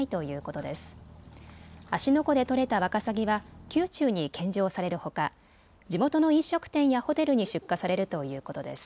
湖で取れたワカサギは宮中に献上されるほか地元の飲食店やホテルに出荷されるということです。